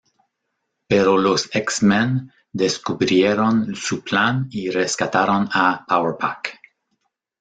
Pero los X-Men descubrieron su plan y rescataron a Power Pack.